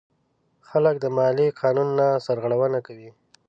خلک د مالیې قانون نه سرغړونه کوي.